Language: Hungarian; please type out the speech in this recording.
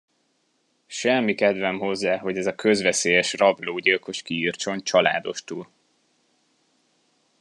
Semmi kedvem hozzá, hogy ez a közveszélyes rablógyilkos kiirtson családostul.